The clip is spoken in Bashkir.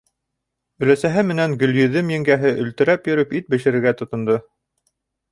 Өләсәһе менән Гөлйөҙөм еңгәһе өлтөрәп йөрөп ит бешерергә тотондо.